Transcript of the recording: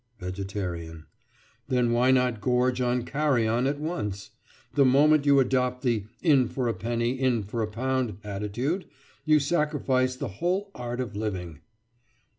VEGETARIAN: Then why not gorge on carrion at once? The moment you adopt the "in for a penny, in for a pound" attitude, you sacrifice the whole art of living.